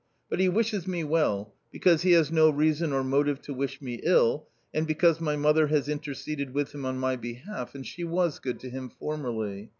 " But he wishes me well, because he has no reason or motive to wish me ill, and because my mother has interceded with him on my behalf, and she was good to him formerly.